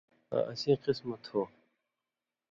آں اسیں قِسمہ تھو